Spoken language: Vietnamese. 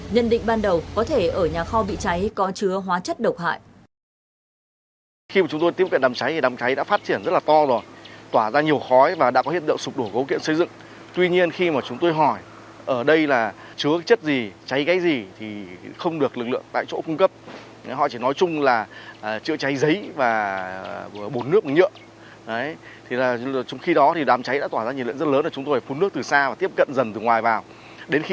nhận định ban đầu có thể ở nhà kho bị trái có chứa hóa chất độc hại